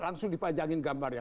langsung dipajangin gambarnya